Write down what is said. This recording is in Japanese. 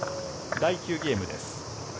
第９ゲームです。